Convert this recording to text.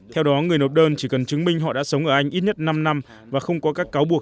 theo đó người nộp đơn chỉ cần chứng minh họ đã sống ở anh ít nhất năm năm và không có các cáo buộc